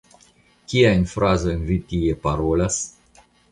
Kiajn frazojn vi tie parolas?